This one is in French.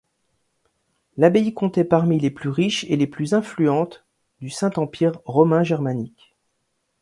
L'abbaye comptait parmi les plus riches et les plus influentes du Saint-Empire romain germanique.